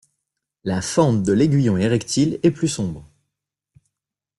La fente de l'aiguillon érectile est plus sombre.